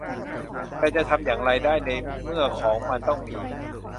แต่จะทำอย่างไรได้ในเมื่อของมันต้องมี